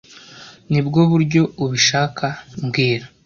Nibwo buryo ubishaka mbwira